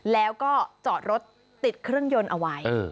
แล้วก็จอดรถติดเครื่องยนต์เอาไว้